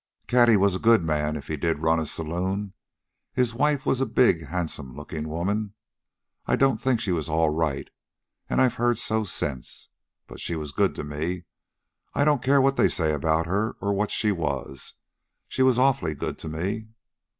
"Cady was a good man, if he did run a saloon. His wife was a big, handsome looking woman. I don't think she was all right... and I've heard so since. But she was good to me. I don't care what they say about her, or what she was. She was awful good to me.